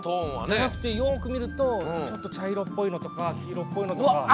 じゃなくてよく見るとちょっと茶色っぽいのとか黄色っぽいのとか。